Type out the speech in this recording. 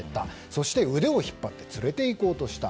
そして腕を引っ張って連れていこうとした。